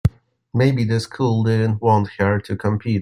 Maybe the school didn't want her to compete.